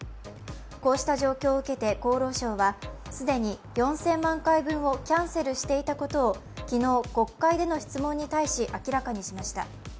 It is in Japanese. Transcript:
こうした状況を受けて厚労省は、既に４０００万回分をキャンセルしていたことを昨日、国会での質問に対し、明らかにしました。